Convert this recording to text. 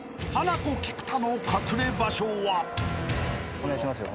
お願いしますよ